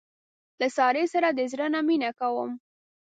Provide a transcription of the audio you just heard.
له سارې سره د زړه نه مینه کوم.